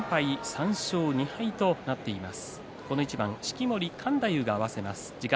３勝２敗となっています。